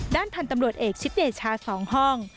ด้านพันธ์ตำรวจเอกชิดเดชา๒ห้อง